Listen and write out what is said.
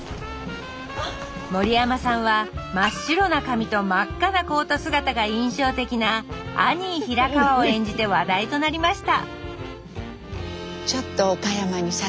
森山さんは真っ白な髪と真っ赤なコート姿が印象的なアニー・ヒラカワを演じて話題となりました